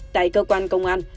tại cơ quan công an